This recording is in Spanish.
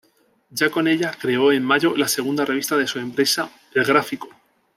Ya con ella, creó en mayo la segunda revista de su empresa: El Gráfico.